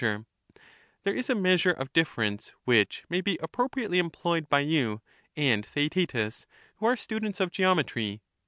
463 Sir, There is a measure of difference which may be Statesman, appropriately employed by you and Theaetetus, who are straiwm, students of geometry.